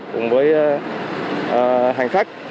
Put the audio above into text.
cùng với hành khách